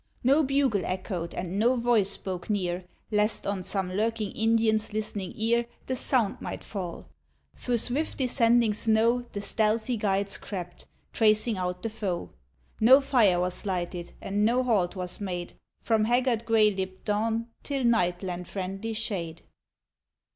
No bugle echoed and no voice spoke near, Lest on some lurking Indian's list'ning ear The sound might fall. Through swift descending snow The stealthy guides crept, tracing out the foe; No fire was lighted, and no halt was made From haggard gray lipped dawn till night lent friendly shade.